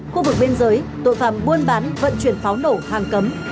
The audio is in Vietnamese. khu vực bên dưới tội phạm buôn bán vận chuyển pháo nổ hàng cấm